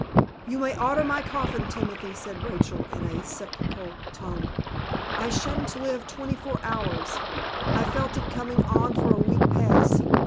"You may order my coffin, Timothy," said Rachel, in a sepulchral tone. "I sha'n't live twenty four hours. I've felt it coming on for a week past.